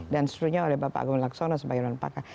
dan seterusnya oleh bapak agung laksona sebagai panggilan pakar